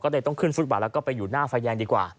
ก็เลยต้องขึ้นฟุตบาทแล้วก็ไปอยู่หน้าไฟแดงดีกว่า